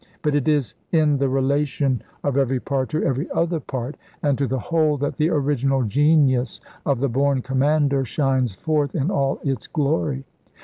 But it is in the relation of every part to every other part and to the whole that the original genius of the born commander shines forth in all its glory.